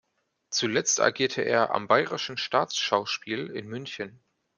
Zuletzt agierte er am Bayerischen Staatsschauspiel in München.